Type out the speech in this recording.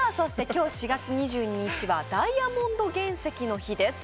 今日４月２２日はダイヤモンド原石の日です。